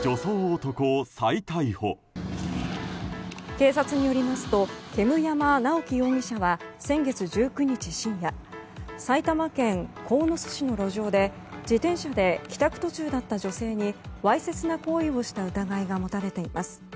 警察によりますと煙山直樹容疑者は先月１９日深夜埼玉県鴻巣市の路上で自転車で帰宅途中だった女性にわいせつな行為をした疑いが持たれています。